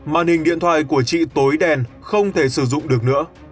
màn hình điện thoại của chị tối đen không thể sử dụng được nữa